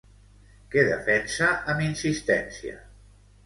Què defensa amb insistència?